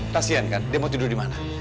kasian kan dia mau tidur dimana